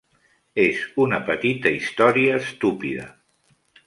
És una petita història estúpida.